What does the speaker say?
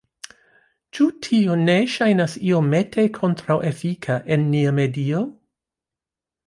Ĉu tio ne ŝajnas iomete kontraŭefika en nia medio?